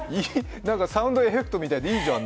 サウンドエフェクトみたいでいいじゃん。